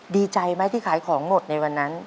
ดีใจไหมที่ขายของหมดในวันนั้น